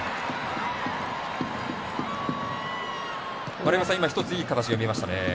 丸山さん、今一ついい形が見えましたね。